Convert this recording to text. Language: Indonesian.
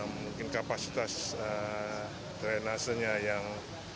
mungkin kapasitas drainasenya yang